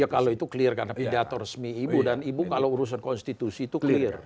ya kalau itu clear karena pidato resmi ibu dan ibu kalau urusan konstitusi itu clear